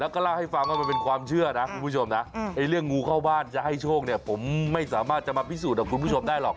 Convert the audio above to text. แล้วก็เล่าให้ฟังว่ามันเป็นความเชื่อนะคุณผู้ชมนะ